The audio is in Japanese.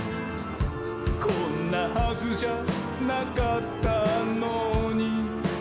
「こんなはずじゃなかったのに」